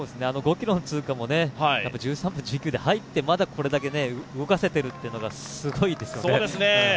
５ｋｍの通過も１３分１９で入ってまだこれだけ動かせているというのがすごいですよね。